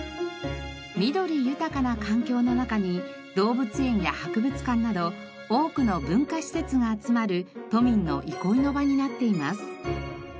緑豊かな環境の中に動物園や博物館など多くの文化施設が集まる都民の憩いの場になっています。